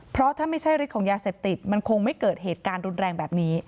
เพราะถ้าไม่ใช่ฤทธิ์ของยาเสพติดมันคงไม่เกิดเหตุการณ์รุนแรงแบบนี้